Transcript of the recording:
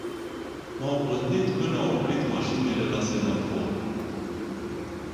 M-au pândit până au oprit mașinile la semafor.